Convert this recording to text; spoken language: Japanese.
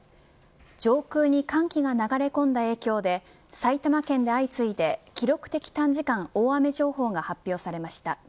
上空に寒気が流れ込んだ影響で埼玉県で相次いで記録的短時間大雨情報が発表されました。